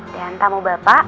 dan tamu bapak